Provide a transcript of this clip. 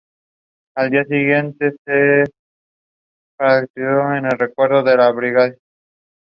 The following eight teams took part.